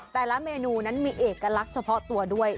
แต่ละเมนูนั้นมีเอกลักษณ์เฉพาะตัวด้วย